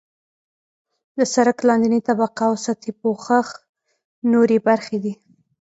د سرک لاندنۍ طبقه او سطحي پوښښ نورې برخې دي